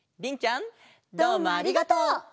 どうもありがとう！